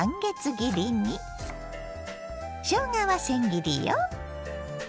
しょうがはせん切りよ。